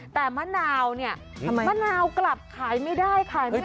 แต่มะนาวเนี่ยทำไมมะนาวกลับขายไม่ได้ขายไม่ได้